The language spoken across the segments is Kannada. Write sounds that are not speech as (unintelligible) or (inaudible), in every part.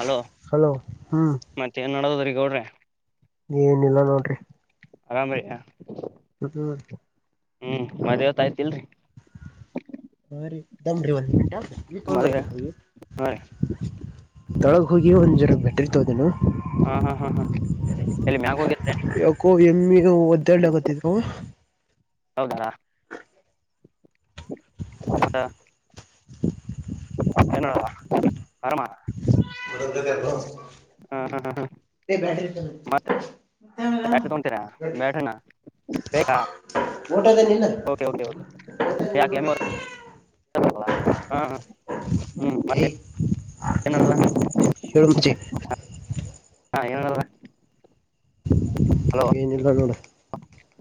ಅಲೋ ಹಲೋ ಹ್ಮ್ ಮತ್ತ ಏನ್ ನಡದದ್ರೀಗೌಡ್ರಿ ಏನಿಲ್ಲ ನೋಡ್ರಿ ಆರಾಮ ಬಾ (unintelligible) ಮಟರು ಹ್ಮ್ ಮದ್ವ್ತ ಆಯ್ತಿಲ್ರರಿ ಹ ರೀ ದಮ್ರರಿವ ಬ ಮದ್ವೆ ಹೋಗ ಹಾ ರೀ ತೊಳ ಹೋಗಿ ಒ ಜಟ್ಟ ಇರ್ತೋದೇನು. ಹ್ಮ್ಮ್ ಹ್ಮ್ಮ್ ಹ್ಮ್ಮ್. ಯಕೋ ಎಮ್ಮಿ ಒದ್ಡಾಕಡತೀತು. ಹೌದಾರಾ. (unintelligible) ಏನು ಅರಮ್ಮ. ಬಡಲ್ಲ (unintelligible) ಹ್ಮ್ಮ್ ಹ್ಮ್ಮ್ ಹ್ಮ್ಮ್. (inaudible) ಬ್ಯಾಟ ತಗತೀರಾ ಬ್ಯಾಟನಾ. ಊಟದ ನಿಲ್ಲ ಯಾಕೆ ಎಮ್ಮಿ (unintelligible) (unintelligible) ಹ್ಮ್ ಏ. ಮತ್ತೆ ಏನ್ ನಡದದ ಹಚಿ (unintelligible) ಹಾ ಏನ ನಡದಾದ. ಇನ್ನಿಲ್ಲ ನೋಡು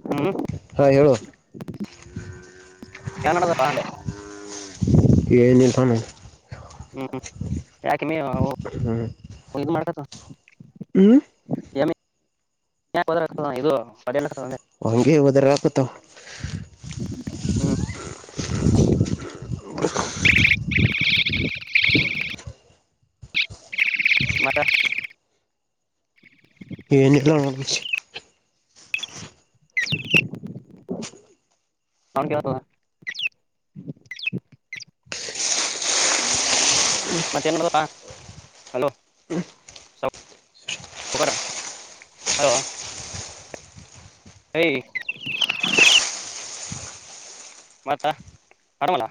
ಹ್ಮ್ ಹ್ಮ್ಮ್ ಹೇಳು. ಏನ್ ನಡದಾದ ಪಾ. ಏನು (unintelligible) ಹ್ಮ್ ಯಾಕೆ ಇನ್ನೂ ಹ್ಮ್ ಇದು ಮಾಡ್ಕತ. ಹ್ಮ್. (unintelligible) ಹಂಗೆ ಹೋದರಲಕತೇವಾ. ಹ್ಮ್ (unintelligible) (unintelligible) ಮತ. ಏನಿಲ್ಲ ನೋಡು ಮಚ್ಚಿ (unintelligible) (unintelligible) ಮತ್ತೆ ಎಂಗಾ ನಡದಾದ ಪಾ ಹಲೋ. (unintelligible) ಹಲೋ. ಐ (unintelligible) ಮತ್ತ ಹರಮಲ.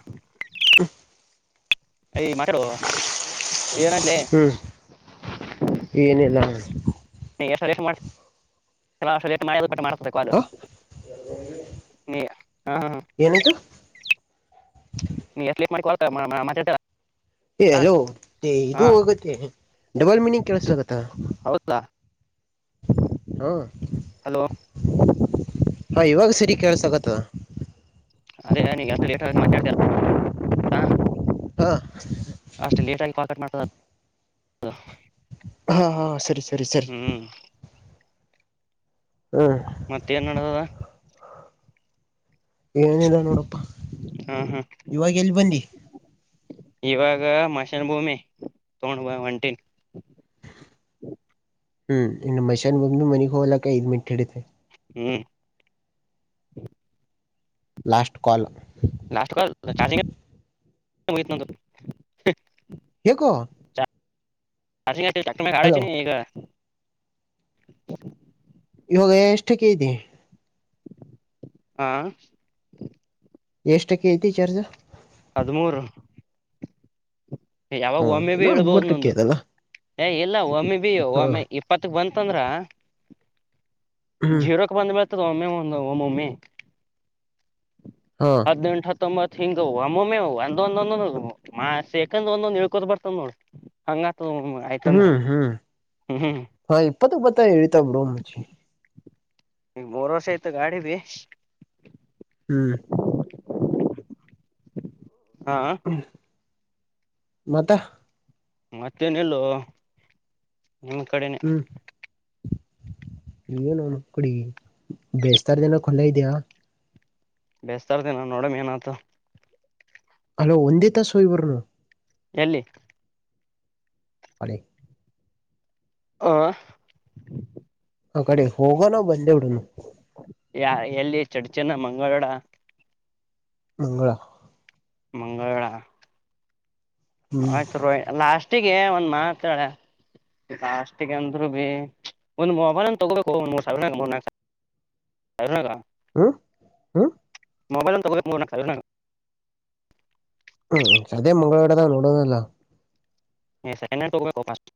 ಏ ಮಾತಾಡು. ಏನಂತಲೇ ಹ್ಮ್ ಏನಿಲ್ಲ ಅಣ್ಣ. (unintelligible) ಆ ನೀ. ಹಾ ಹಾ ಏನಾಯತು. ನೀ ಎ ಕೀಪ್ ಮಾಡಕೊಳ್ ಮಾತಾ (unintelligible) ಏ ಹೆಲೋ ಇದು ಹೋಗತ್ತೆ ಡಬಲ್ ಮೀನಿಂಗ್ ಕೆೇಳಸ ಆಗತ್ತಾ. ಹೌದಾ (unintelligible) ಹಲೋ. ಹ್ಮ್ಮ್ ಇವಾಗ ಸರಿ ಕೇಳಸ ಕತ್ಯಾದ. ಅದೇ ನೀ ಎ ಲೇಟ್ ಮಾತಾಡ್ತೀರ (inaudible) ಹಾ ಅಷ್ಟೆ ಲೇಟ್ ಆಗಿ ಪಾಕಟ್ ಮಾಡ್ತದ (inaudible) ಹಾ ಹಾ ಸರಿ ಸರಿ ಸರಿ. ಹ್ಮ್ ಹ್ಮ. ಮತ್ತ ಏನ್ ನಡದದ. ಏನಿಲ್ಲ ನೋಡಪ್ಪ ಹಾ ಹಾ ಇವಾಗ ಎಲ್ಲಿ ಬಂದಿ. ಇವಾಗ ಮಶನ್ ಭೂಮಿ ತೋಗೊಂಡ ಒಂಟಿನ. (unintelligible) ಹ್ಮ್ ಇನ್ನು ಮಶ್ಯಾನ್ ಬಗ್ ಮನೆಗ್ ಹೋಗಲಕ್ಕ ಇದ್ ಮಿಟ್ಟ ಹಿಡಿತತೆ. ಹ್ಮ್. ಲಾಸ್ಟ್ ಕಾಲ್ ಲಾಸ್ಟ್ ಕ ಚಾರ್ಜಂಗ (inaudible) ಯಕೋ ಅಟ ಚ ಮ ಕಡಚ ನೀ ಈಗ (inaudible) ಇವಾಗ ಎಷ್ಟಕ್ಕಿ (inaudible) ಹಾ (inaudible) ಎಷ್ಟಕ್ಕ ಐತಿ ಚರ್ಜಾ (inaudible) ಹದ್ಮೂರು (inaudible) ಯಾವಾಗ ಹಾ ಒಮ್ಮೆ ಬಿ ಇನ್ನೂ ಇಳ್ಬೋದು ಹದ್ಮೂರ್ ಟಕ್ಕೆ ನಂದು ಐತಲ್ಲ ಏ ಇಲ್ಲ ಒಮ್ಮೆ ಬಿ ಹಾ ಒಮ್ಮೆ ಇಪ್ಪತ್ತಕ್ ಬಂದ ಯಾಕಂದ್ರ ಹ್ಮ್ ಜೀರೋಕ್ ಬಂದ ಮಳ್ ಹ ಒಮ್ಮೆ ಒಂದ ಮಮ್ಮೆ ಹಾ ಹತ್ತುಂಟ ಹತ್ತು (inaudible) ಹತ್ತೊಂಬತ್ ಹಿಂಗ್ಮ್ಮೊಮ್ಮೆ ಒಂದೊಂದೊ ಮಾಸೆ (inaudible) ಹಾಂದ ಒಂದ್ ಹಳ್ಕೋದ ಬರ್ತದ ನೋಡ್ ಹ (inaudible) ಹ್ಮ್ ಹ್ಮ್ ಹ್ಮ್ ಹಪ್ಪತು ಬತ್ತ ರತಬ್ ರೋಮಚ ಈ ಬೋರೋಸ ಆಯ್ತ ಗಾಡಿ ಭ ಹ್ಮ್ ಹಾ ಮತ ಮತ್ತೇನಲ್ಲೋ ನಿಮ್ಮ್ ಕಡೆನೆ ಇ ನ ನು ಕಡಿ ಬೇಸ್ತರ ದನ (inaudible) ಲ್ಲಾ ಹ ದಯ ಬೇಸ್ತರ್ತೇ ನಾ ನೋಡಮ ಏನ್ತ ಅಲೋ ಒಂದೇ ತಾಸೋ ಇವರುನು ಎಲ್ಲಿ ಮಳ (inaudible) ಹ ಆ ಕಡೆ ಹೋಗೋನ ಬಂದೆ ಉು ಯ ಎಲ್ಲಿ ಚಡ್ ಚನ್ನ ಮಂಗಳಡ ಮಂಗಳ ಮಂಗಳವೇಳ ಹ್ಮ್ ಆಯ್ತು ರೋಯಿ ಲಾಸ್ಟಿಗೆ ಒಂದ್ ಮಾತ್ಳ ಕಷ್ಟಿಗೆ ಅಂದರು ಬಿ ಒಂದು್ ಮೊಬನ್ ತಗೋಬೇಕು ಮ (inaudible) ಹಣಕ ಹ ಹ (inaudible) ಮೊಬೈಲ್ ಒಂತ ತಗ (inaudible) ಹ್ಮ್ ಅದೇ ಮಂಗಳಡೆದಾ ನೋಡೋನಲ್ಲ ಸೆಂಕೆಂಡ್ ಹ್ಯಾಂಡಲ್ ತಾವೋಗೋಬೇಕ್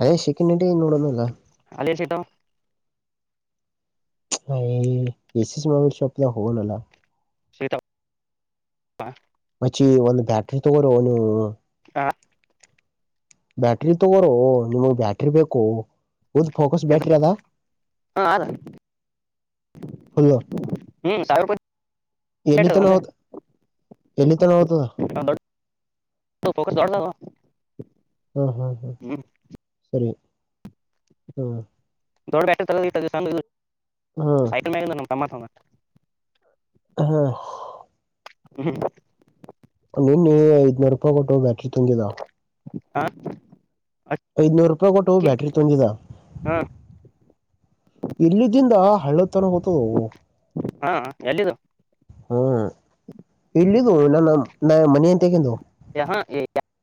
ಅದೇ ಶಕ್ಕಟಿ ಇನ್ನೋಡಲ್ಲ ಅ ಚಟಾ (inaudible) ಎಸಿಸ್ ಮೊಬೈಲ್ ಶೋಪ ಲ ಹ ನ ಅಲ್ಲ (unintelligible) ಚ್ಚಿ ಒಂದು ಬ್ಯಾಟ್ರಿ ತೊಗೊರೋ ನೀವು ಹಾ ಬ್ಯಾಟ್ರಿ ತಗೋರೋ ನಿಮಗ್ ಬ್ಯಾಟ್ರಿ ಬೇಕು ಒಂದು್ ಫೋಕಸ್ ಬ್ಯಾಟ್ರಿ ಹ ಅದ ಅದ ು ಹ್ಮ್ ಸಾವಿರ ರೂಪಾಯಿ ಎಲ್ಲಿ ಬ್ಯಾಟ್ರಿ ತ ಒಂದೇ ನಹತ (inaudible) ಎಲ್ಲಿ ತ ನತದ ಫೊಕಸ್ ಕೊಡ್ಲ (inaudible) ಹ್ಮ ಹಾ ಹಾ್ ಸರಿ ಹ್ಮ್ ದೊಡ್ಡ ಬ್ಯಾಟ್ರಿ ತ ಹ್ಮ್ ಸೈಕಲ್ ಮ ನಮ್ಮ ತಮ್ಮತ್ (inaudible) ಹಾ ಹ್ಮ್ (inaudible) ನಿನ್ನ ಐದನೂರು ರೂಪಾಯಿ ಕೊಟ್ಟು ಬ್ಯಾಟ್ರಿ ತಂದಿದಾ ಹಾ ಐದನೂರು ರೂಪಾಯಿ ಕೊಟ್ಟು ಅಕ್ಕಿ ಬ್ಯಾಟರಿ ತೊಂದಿದ ಹಾ ಇಲ್ಲಿದ್ದಿಂದ ಹಾ ಎಲ್ಲಿದ್ದು ಹ್ಮ್ ಇಲ್ಲಿದು ನನ್ನ ನಾ ಮನಿ ತಹತೇಕೀಂದು ಹ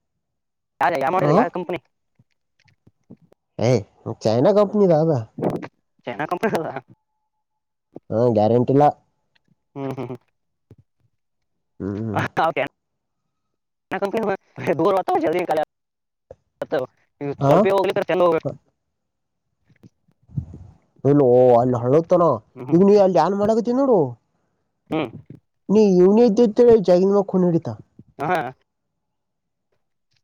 ಯಾರ ಯಾರ ಮಾಡ ಹ ಯಾರ ಕಂಪನಿ (unintelligible) ಚೈನಾ ಕಂಪನಿ ಆದಾ ಚೈನಾ ಕಂಪನಿದಾದ ಹಾ ಗ್ಯಾರಂಟಿ ಇಲ್ಲಾ ಹ್ಮ್ ಹ್ಮ್ ಹ್ಮ ಹ್ಮ್ (unintelligible) (unintelligible) ಹಾ (unintelligible) ಲ್ಲೋ ಅಲ್ಲಿ ಹಳತನ ಹ್ಮ್ ಈಗ ನೀ ಅಲ್ಲಿ ಯಾನ್ ಮಾಡಕತ್ತ ನೋಡು ಹ್ಮ್ ನೀ ಇನ್ದ (unintelligible) ಹಾ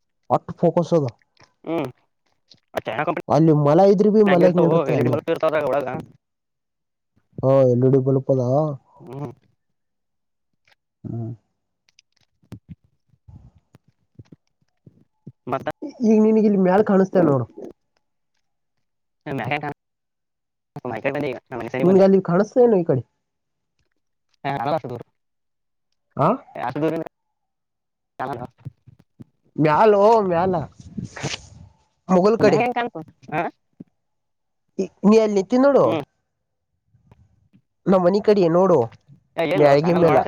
(unintelligible) ಹ್ಮ್ (unintelligible) ಅಲ್ಲಿ ಮಲ ಇದ್ರಿ ಬಿ ಮಲ ನಿಂಡಿರ್ತದ ಅಲ್ಲಿ ಹ್ಮ್ (unintelligible) (inaudible) (inaudible) ಮತ್ತ ಈಗ ನಿನ್ಗ ಇಲ್ಲಿ ಮ್ಯಾಲ ಕಾಣಸ್ತೇವ ನೋಡ್ (unintelligible) ನಿನ್ಗ ಬಂದೆ ಅಲ್ಲಿ ಕಾಣಿಸತನ ಈ ಕಡೆ ಆ (unintelligible) (unintelligible) ಮ್ಯಾಲೋ ಮ್ಯಾಲೋ ಮುಘಲ್ ಮ್ಯಾಗ ಕಡಿ ಹೆಂಗ್ ಕಾಣ್ತು ಹಾ ಈ ನೀ ಅಲ್ಲಿ ನಿಂತಿ ನೋಡು ಹ್ಮ್ ನಮ್ಮ ಮನಿ ಕಡ ನೋಡು ಮ್ಯಾಳಗಿ ಮ್ಯಾಲ್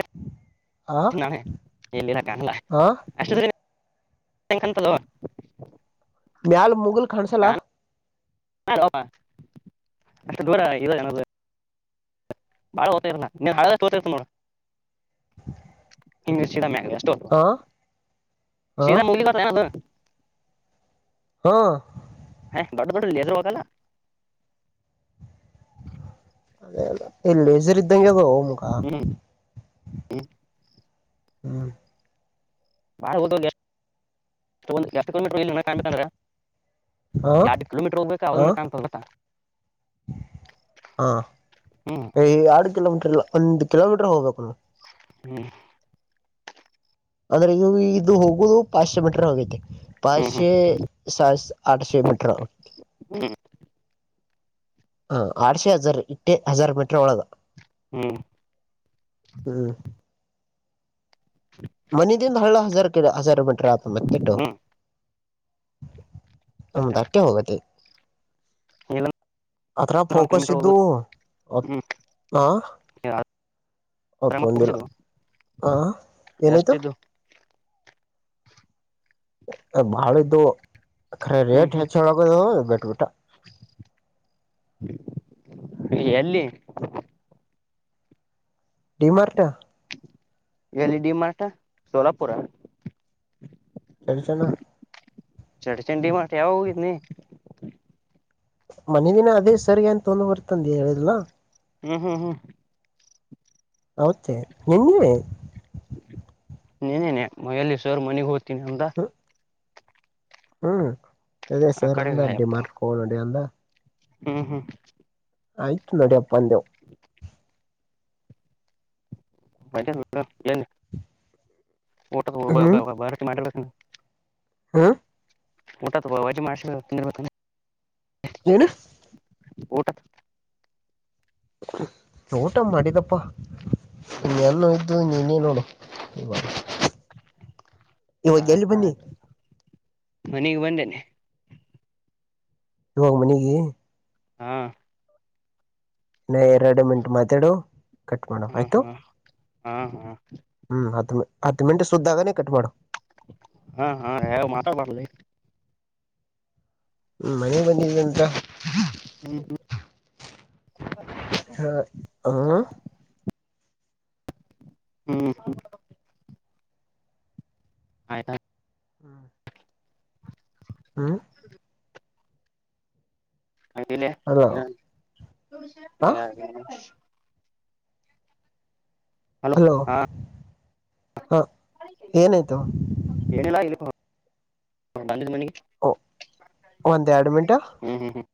ನಾಳೆ ಎಲ್ಲಿರಕ್ಕಾಣಲ್ಲ ಆ ಅಷ್ಟೇ (unintelligible) ಮ್ಯಾಲ ಮು (unintelligible) ಬಾಳ ಓತರ್ಲ ನೀನ್ ಹರ್ ನೋಡಡ ಮ (inaudible) ಆ ಆ ಶರ ಮುಗತ ತ (inaudible) ಹಾ ಬಡ ಬಟ್ಟ ಜ ಹಾಗಲ್ಲ (inaudible) ಅ ಎಲ್ಲಚರಿ ಇ್ದಂಗ ತ ಮುಖಾ ಹ್ಮ್ ಹ್ಮ್ (unintelligible) ಹ ಯಾಡ್ ಕಿಲೋಮೀಟರ್ ಹೋಗ್ಬೇಕಾ ಹ ಅವಾಗನ್ ಕಾಣತ್ದ ಹಾ ಎರ್ಡು ಕಿಲೋಮೀಟರ್ ಒಂದ ಕಿಲೋಮೀಟರ್ ಹೋಗ್ಬೇಕು ನೋಡ ಹ್ಮ್ ಅಂದ್ರೆ ಇವು ಇದು ಹೋಗೋದು ಪಾಶೆ ಮೀಟ್ರ ಆಗೈತಿ ಹ್ಮ್ ಪಾಶೆ ಸಾ ಆಠಶೆ ಮೀಟರ್ ಹ್ಮ್ ಹಾ ಆಡ್ಸೆ ಹಜಾರ್ ಇಟ್ಟೆ ಹಜಾರ್ ಮೀಟ್ರ ಒಳಗ ಹ್ಮ್ ಹ್ಮ್ ಹ್ಮ್ ಮನದಿಂದ ಹಳ್ಳಾ ಹಜಾರ್ ಕ ಹಜಾರ್ ಮಿಟ್ರ ಆತ ಮತ್ತೆಟ್ಟು ಹ್ಮ್ ದಟ್ಟೆ ಹೋಗತಿ (unintelligible) ಅದ್ರ ಫೋಕಸ್ ಇದ್ದು ಕಲೋಮೀಟರ್ ಹ್ಮ ಹ ಯ (inaudible) ಪ್ರಯಮ ಪಕ್ಷಕ್ಷದು (inaudible) ಹಾ ಎಏನಿತ ಮಾಡಳೆದು ಖರ ಹ್ಮ್ ರೇಟ್ ಹ್ಮ್ ಹೆಚ್ಚಗದು ಬೆಟ್ಬಟ ಎಲ್ಲಿ (inaudible) ಡಿಮಾರ್ಟಾ ಎಲ್ಇಡಿ ಮರಠ ಸೋಲಾಪುರ ಚರಿ ಚನಾ ಚಡ್ ಚಂಡಿ ಮಾಡಠ ಯಾವ ಹೋಗಿದ್ನ ಮನೆ ದಿನ ಅದೇ ಸರಿ ಅಂತ ತೊಂದ ಬರ್ತನ್ ಹೇಳಿದಲಾ ಹ್ಮ ಹ್ಮ್ ಹ್ಮ್ ಹೌತ್ತೆ ನಿನ್ನೆ ನೀನೇನೆ ಮಯಲ್ಲಿ ಸರ್ ಮನೆಗ್ ಹೋಗ್ತೀನಿ ಅಂತ ಹ್ಮ್ ಹ್ಮ್ ಅದೇ ಆ ಸರ್ ಅಂದ ಅಡ್ಡಿ ಮಾರಕೋ ನೋಡಿ ಅಂದ ಹ್ಮ ಹಾ ಆಯ್ತು ನೋಡಿ ಅಪ್ಪಂದವು ಮೆ ಬ (inaudible) ಊಟ ಬ ಮಾಡ (inaudible) ಹಾ (inaudible) ಊಟ ಬ ಮಾಡ (inaudible) ಹನಾ (inaudible) ಊಟ (inaudible) ಊಟ ಮಾಡಿದಪ್ಪಾ ಇನೋ ಇದ್ದು ನೀ ನೀ ನೋಡು ಈ ಮಾಡ ಆಯ್ತ ಆಯ್ತು ಮನಗ್ ಬಂದೇನೆ ಇವಾಗ ಮನಗೆ ಹಾ ಇ ಎರಡು ಮಿಟ್ ಮಾತಾಡು ಕಟ್ ಮಾಡೋ ಹಾ ಆಯ್ತು ಹಾ ಹಾ ಹಾ ಹ್ಮ್ ಹತ್ತು ಹತ್ತು ಮಿಂಟ್ ಸುದ್ದಾಗೇ ಕಟ್ ಮಾಡು ಹಾ ಹಾ ಯಾವ ಮಾತಾಬಡ್ಲಿ ಹ್ಮ್ ಮನೆಗೆ ಬಂದಿದ್ದೀಂತ ಹ್ಮ್ ಹ ಹ (inaudible) ಹ್ಮ್ ಹ್ಮ ಆಯ್ತಾ (inaudible) ಹ್ಮ್ ಹಾ ಎಲ್ಲಿ ಹಲೋ ಹಾ ಆದಿಲೆ ಹಲೋ ಹಾ ಹಾ ಏನಾಯ್ತು ಬಂದ ಮಣಿ ಓ ಒಂದ ಎರಡು ಮಿಟ ಹ್ಮ್ ಹ್ಮ್ ಹ್ಮ್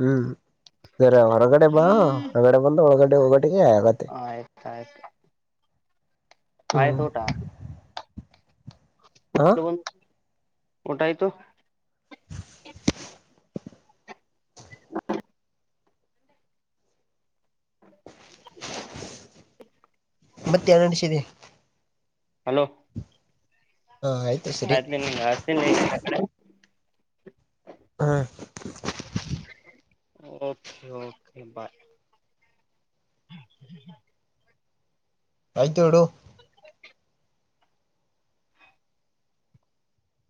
ಹ್ಮ್ ಬರ ಹೊರಗಡೆ ಬಾ ಹೊರಗಡೆ ಬಂದು ಹೊಳಗಡೆ ಹೊಗಡೆಗೆ ಆಗತ್ತೆ ಸ ಹ್ಮ ಬ ಟಾಯತು ಹ್ಮ ಮತ್ತೆ ಎನಡಸಿದೆ ಹಲೋ ಹಾ ಆಯ್ತು ಸರಿ ಆಯ್ತ್ಲಿ ನಿಂಗ ಹಾಸ್ತೀನಿ ಲೇ ಹಾ ಓಕೆ ಓಕೆ ಬಾಯ್ ಆಯ್ತು ಬಿಡು (inaudible)